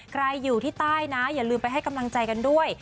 ใครอยู่ที่ใต้นะอย่าลืมไปให้กำลังใจกันด้วย